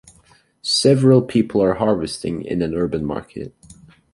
Several people are harvesting in an urban market.